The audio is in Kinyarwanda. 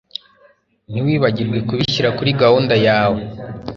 Ntiwibagirwe kubishyira kuri gahunda yawe.